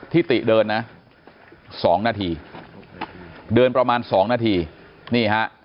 ติเดินนะ๒นาทีเดินประมาณ๒นาทีนี่ฮะ